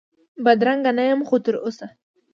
بدرنګه نه یم خو تراوسه،